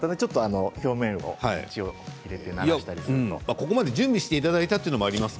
ここまで準備をしていただいたということもあります